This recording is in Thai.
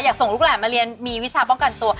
อยากส่งลูกหลานมาเรียนมีวิชาป้องกันตัว